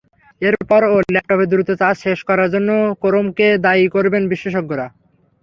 এরপরও ল্যাপটপের দ্রুত চার্জ শেষ করার জন্য ক্রোমকে দায়ী করেন বিশেষজ্ঞরা।